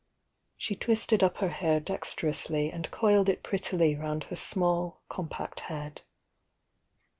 She twisted up her hair dexter ously and coiled it prettily round her small, compact head.